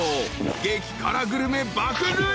激辛グルメ爆食い］